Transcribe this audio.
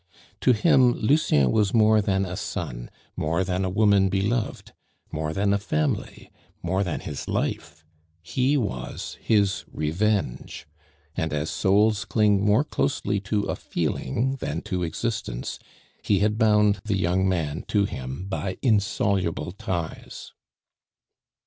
To him Lucien was more than a son, more than a woman beloved, more than a family, more than his life; he was his revenge; and as souls cling more closely to a feeling than to existence, he had bound the young man to him by insoluble ties.